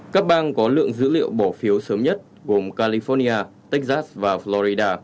các bang có lượng dữ liệu bỏ phiếu sớm nhất gồm california texas và florida